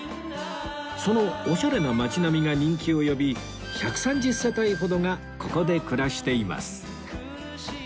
そのオシャレな街並みが人気を呼び１３０世帯ほどがここで暮らしています